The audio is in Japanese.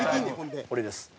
これです。